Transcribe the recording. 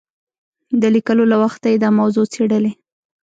د لیکلو له وخته یې دا موضوع څېړلې.